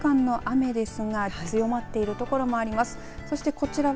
また、この時間の雨ですが強まっているところもあります。